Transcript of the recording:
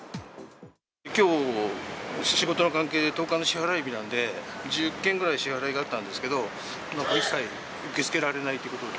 きょう仕事の関係で、１０日の支払日なんで、１０件ぐらい支払いがあったんですけれども、一切受け付けられないということで。